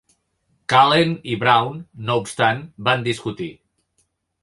Cullen i Brown, no obstant, van discutir.